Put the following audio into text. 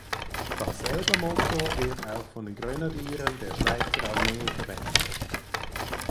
Dasselbe Motto wird auch von den Grenadieren der Schweizer Armee verwendet.